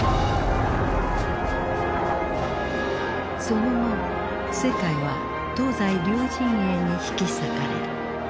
その後世界は東西両陣営に引き裂かれる。